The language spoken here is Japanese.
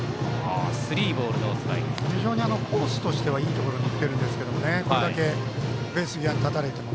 コースとしてはいいところに行ってるんですけどこれだけベース際に立たれても。